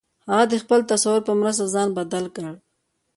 هغه د خپل تصور په مرسته ځان بدل کړ